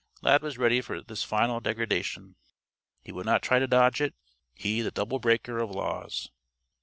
Lad was ready for this final degradation. He would not try to dodge it, he the double breaker of laws.